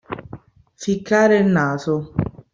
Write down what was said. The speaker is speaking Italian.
Ficcare il naso.